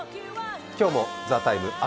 今日も「ＴＨＥＴＩＭＥ’」